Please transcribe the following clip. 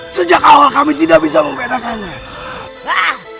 sejak awal kami tidak bisa membedakannya